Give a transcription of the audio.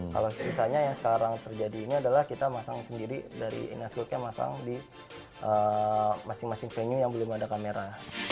kalau sisanya yang sekarang terjadi ini adalah kita masang sendiri dari innescook yang masang di masing masing venue yang belum ada kamera